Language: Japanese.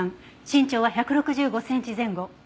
身長は１６５センチ前後。